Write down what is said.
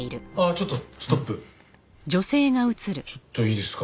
ちょっといいですか？